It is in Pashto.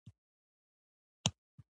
له باور پرته ژوند خالي ښکاري.